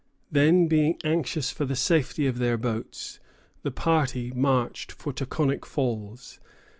Then, being anxious for the safety of their boats, the party marched for Taconic Falls.